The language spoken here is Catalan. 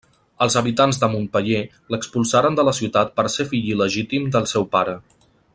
Els habitants de Montpeller l'expulsaren de la ciutat per ser fill il·legítim del seu pare.